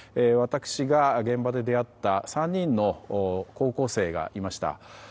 私が現場で出会った３人の高校生がいました。